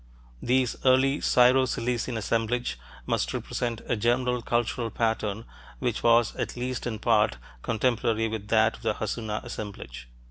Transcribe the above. This early Syro Cilician assemblage must represent a general cultural pattern which was at least in part contemporary with that of the Hassuna assemblage.